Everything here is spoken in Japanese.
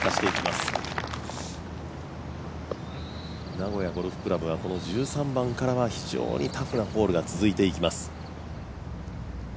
名古屋ゴルフ倶楽部はこの１３番からは非常にタフなホールが続いていきます。